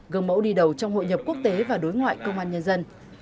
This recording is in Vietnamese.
gương mẫu đi đầu trong hội nhập quốc tế và đối ngoại công an nhân dân